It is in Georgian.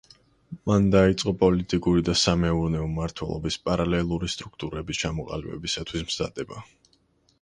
მან დაიწყო პოლიტიკური და სამეურნეო მმართველობის პარალელური სტრუქტურების ჩამოყალიბებისათვის მზადება.